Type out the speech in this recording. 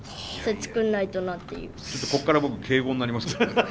ちょっとここから僕敬語になりますけどね。